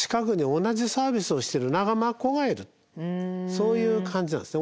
そういう感じなんですよ。